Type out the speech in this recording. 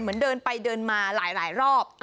เหมือนเดินไปเดินมาหลายรอบ